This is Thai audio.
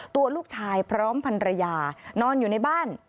ตัวลูกชายพร้อมพันรยานอนอยู่ในบ้าน